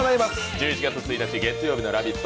１１月１日月曜日の「ラヴィット！」